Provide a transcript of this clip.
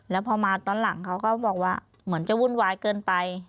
แล้วพอมาตอนหลังเขาก็บอกว่าเหมือนจะวุ่นวายเกินไป